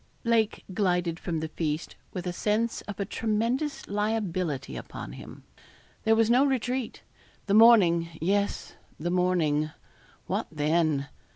Lake glided from the feast with a sense of a tremendous liability upon him. There was no retreat. The morning yes, the morning what then?